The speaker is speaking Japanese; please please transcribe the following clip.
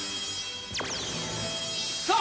さあ